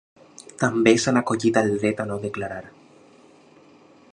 També s’han acollit al dret a no declarar.